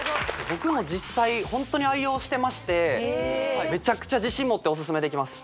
僕も実際ホントに愛用してましてめちゃくちゃ自信持ってお薦めできます